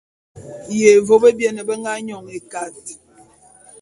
Yévô bebien be nga nyon ékat.